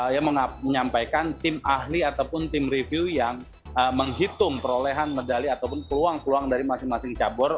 yang menyampaikan tim ahli ataupun tim review yang menghitung perolehan medali ataupun peluang peluang dari masing masing cabur